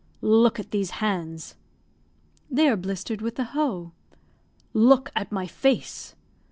"Look at these hands." "They are blistered with the hoe." "Look at my face."